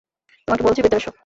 তোমাকে বলছি, ভেতরে এসো।